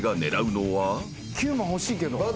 ９も欲しいけど。